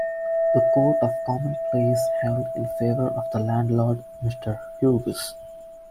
The Court of Common Pleas held in favour of the landlord, Mr Hughes.